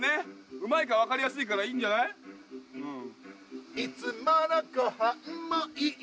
うまいか分かりやすいからいいんじゃない大丈夫？